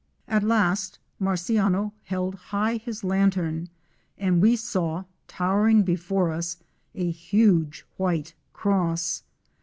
At last Marciano held high his lantern and we saw towering before us a huge white cross.